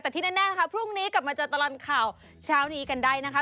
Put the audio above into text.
แต่ที่แน่ค่ะพรุ่งนี้กลับมาเจอตลอดข่าวเช้านี้กันได้นะคะ